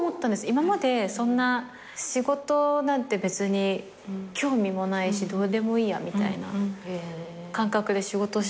今までそんな仕事なんて別に興味もないしどうでもいいやみたいな感覚で仕事をしてたんですけど